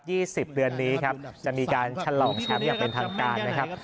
สิบเดือนนี้ครับจะมีการฉลองแชมป์อย่างเป็นทางการนะครับ